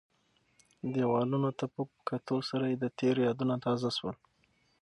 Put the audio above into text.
دیوالونو ته په کتو سره یې د تېر یادونه تازه شول.